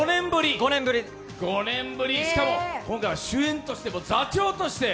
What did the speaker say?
５年ぶり、しかも今回は主演として、座長として。